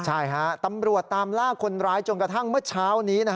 ใช่ฮะตำรวจตามล่าคนร้ายจนกระทั่งเมื่อเช้านี้